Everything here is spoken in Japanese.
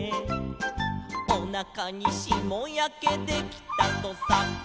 「おなかにしもやけできたとさ」